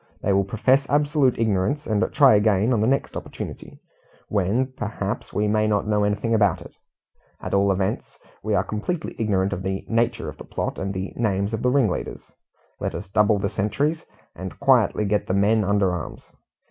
They will profess absolute ignorance, and try again on the next opportunity, when, perhaps, we may not know anything about it. At all events, we are completely ignorant of the nature of the plot and the names of the ringleaders. Let us double the sentries, and quietly get the men under arms.